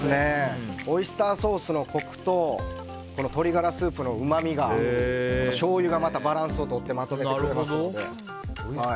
オイスターソースのコクと鶏ガラスープのうまみとしょうゆがまたバランスをとってまとめてくれるので。